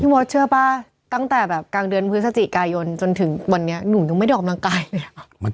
มดเชื่อป่ะตั้งแต่แบบกลางเดือนพฤศจิกายนจนถึงวันนี้หนูยังไม่ได้ออกกำลังกายเลย